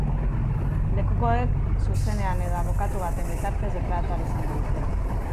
Lekukoek zuzenean edo abokatu baten bitartez deklaratu ahal izango dute.